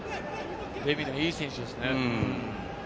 レミナ、いい選手ですね。